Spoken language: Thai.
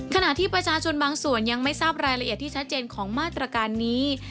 ขณะที่ประชาชนบางส่วนยังไม่ทราบรายละเอียดที่ชัดเจนของมาตรการนี้